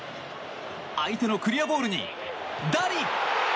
相手のクリアボールにダリ！